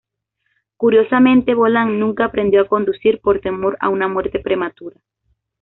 Curiosamente, Bolan nunca aprendió a conducir por temor a una muerte prematura.